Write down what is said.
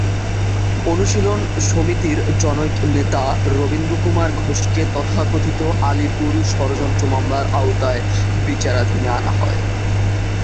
অনুশীলন সমিতির জনৈক নেতা বারীন্দ্রকুমার ঘোষকে তথাকথিত আলীপুর ষড়যন্ত্র মামলার আওতায় বিচারাধীনে আনা হয়।